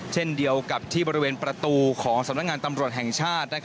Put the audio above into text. เช่นเดียวกับที่บริเวณประตูของสำนักงานตำรวจแห่งชาติ